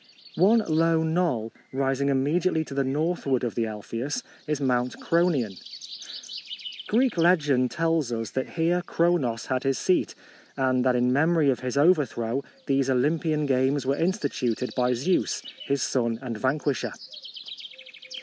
One low knoll, rising imme diately to the northward of the Alpheus, is Mount Kronion. Greek legend tells us that here Kronos had his seat, and that in memory of his overthrow these Olympian games were instituted by Zeus, his son and vanquisher.